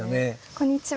こんにちは。